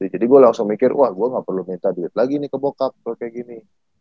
jadi gua langsung mikir wah gua gak perlu minta duit lagi nih ke bokap kayak gini